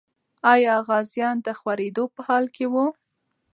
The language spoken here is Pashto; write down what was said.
آیا غازیان د خورېدو په حال کې وو؟